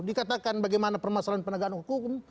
dikatakan bagaimana permasalahan penegakan hukum